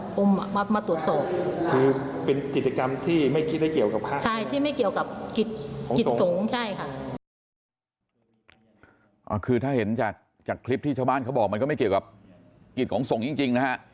คือถ้าเห็นจากคลิปที่ชาวบ้านเขาบอกมันก็ไม่เกี่ยวกับกิจของสงฆ์จริงนะฮะ